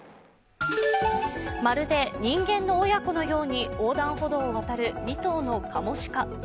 まるで人間の親子のように横断歩道を渡る２頭のかもしか。